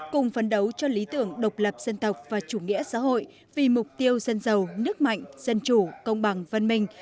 cùng phấn đấu cho lý tưởng độc lập dân tộc và chủ nghĩa xã hội vì mục tiêu dân giàu nước mạnh dân chủ công bằng văn minh